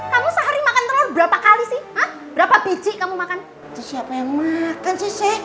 kamu sehari makan telur berapa kali sih ah berapa biji kamu makan siapa yang makan cuci